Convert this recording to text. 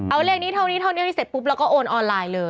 เอาเลขนี้เท่านี้เท่านี้เสร็จปุ๊บแล้วก็โอนออนไลน์เลย